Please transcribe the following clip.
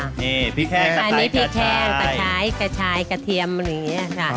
นี่พริกแห้งอันนี้พริกแห้งตะไคร้กระชายกระเทียมอะไรอย่างนี้ค่ะ